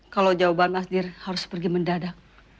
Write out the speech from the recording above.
kalau jawaban mas dir harus pergi mendadak